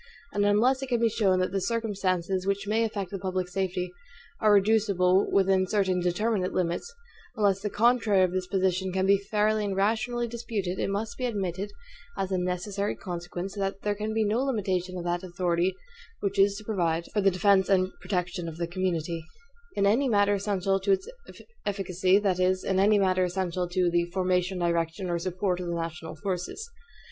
And unless it can be shown that the circumstances which may affect the public safety are reducible within certain determinate limits; unless the contrary of this position can be fairly and rationally disputed, it must be admitted, as a necessary consequence, that there can be no limitation of that authority which is to provide for the defense and protection of the community, in any matter essential to its efficacy that is, in any matter essential to the FORMATION, DIRECTION, or SUPPORT of the NATIONAL FORCES.